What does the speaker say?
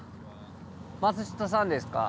松下さんですか？